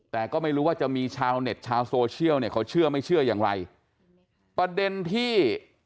แต่ก็ไม่รู้ว่าจะมีชาวเน็ตชาวโซเชียลเนี่ยเขาเชื่อไม่เชื่ออย่างไรประเด็นที่